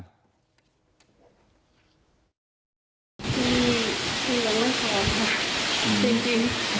จริงไม่ขอครับจริง